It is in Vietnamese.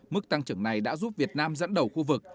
mức tăng trưởng này đã giúp việt nam dẫn đầu khu vực